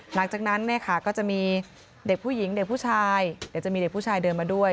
หลังจากนั้นเนี่ยค่ะก็จะมีเด็กผู้หญิงเด็กผู้ชายเดี๋ยวจะมีเด็กผู้ชายเดินมาด้วย